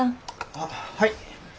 あっはい。